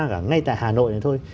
cả ngay tại hà nội này thôi